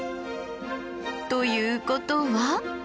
ということは。